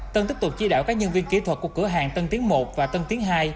tân tiếp tục chỉ đạo các nhân viên kỹ thuật của cửa hàng tân tiến một và tân tiến hai